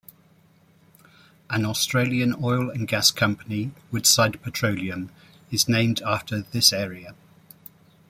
An Australian oil and gas company, Woodside Petroleum, is named after this area.